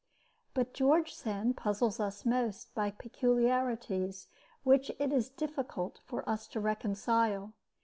But George Sand puzzles us most by peculiarities which it is difficult for us to reconcile.